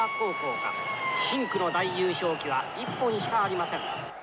深紅の大優勝旗は一本しかありません。